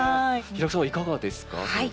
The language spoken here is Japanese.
平工さんはいかがですか？